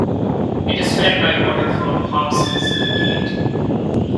It is fed by water from Hobson's Conduit.